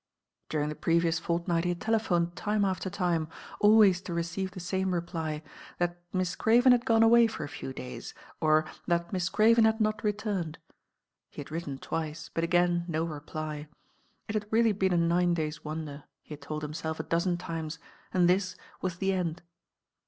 During the previout fortnight he had telephoned time after tiipc — alwayt to receive the tame reply, that Mitt Craven had gone away for a few dayt, or that Mitt Craven had not returned. He had written twice; but again no reply. It had really been a nine dayt' wonder, he had told himtelf a dozen timet, and thit W2t the end.